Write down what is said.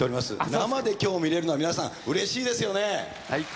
生で今日見れるのは皆さんうれしいですよね！